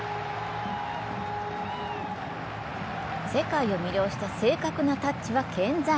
世界を魅了した正確なタッチは健在。